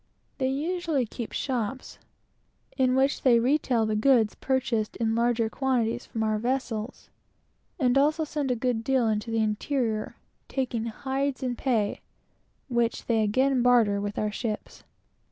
They usually keep shops, in which they retail the goods purchased in larger quantities from our vessels, and also send a good deal into the interior, taking hides in pay, which they again barter with our vessels.